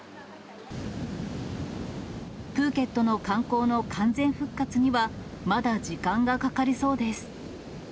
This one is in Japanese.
プーケットの観光の完全復活には、まだ時間がかかりそうです。